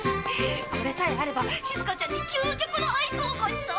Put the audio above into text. これさえあればしずかちゃんに究極のアイスをごちそうできる！